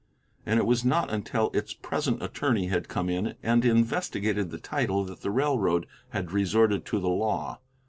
And it was not until its present attorney had come in and investigated the title that the railroad had resorted to the law.